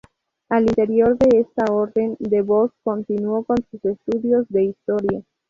Al interior de esta orden, De Vos continuó con sus estudios de historia.